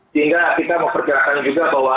sehingga kita memperkirakan juga bahwa